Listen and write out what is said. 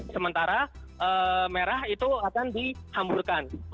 sementara merah itu akan di hamburkan